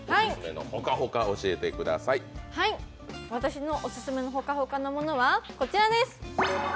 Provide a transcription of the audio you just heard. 私のオススメのホカホカのものはこちらです。